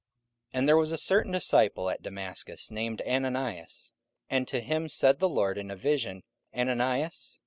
44:009:010 And there was a certain disciple at Damascus, named Ananias; and to him said the Lord in a vision, Ananias.